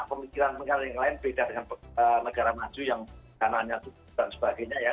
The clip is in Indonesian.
pemikiran negara yang lain beda dengan negara maju yang dana nyatuk dan sebagainya ya